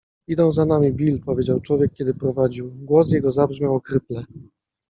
- Idą za nami, Bill - powiedział człowiek, który prowadził. Głos jego zabrzmiał ochryple